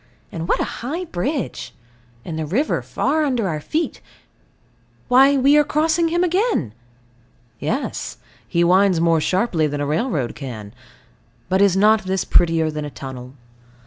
And what a high bridge. And the river far under our feet. Why we are crossing him again! Yes; he winds more sharply than a railroad can. But is not this prettier than a tunnel?